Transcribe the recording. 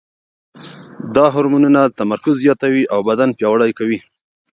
دا هورمونونه تمرکز زیاتوي او بدن پیاوړی کوي.